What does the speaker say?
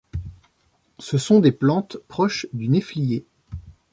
Ce sont des plantes proches du néflier.